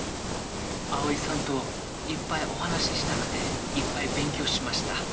葵さんといっぱいお話ししたくていっぱい勉強しました。